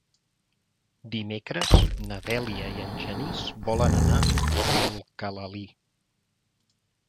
Dimecres na Dèlia i en Genís volen anar a Alcalalí.